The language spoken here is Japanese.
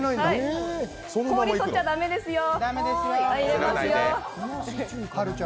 氷、とっちゃだめですよ。